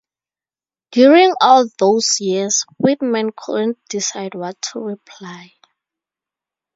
During all those years, Whitman couldn't decide what to reply.